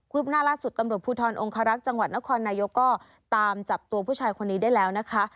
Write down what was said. หน้าล่าสุดตำรวจภูทรองคารักษ์จังหวัดนครนายกก็ตามจับตัวผู้ชายคนนี้ได้แล้วนะคะ